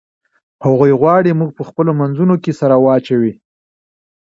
هغوی غواړي موږ په خپلو منځونو کې سره واچوي.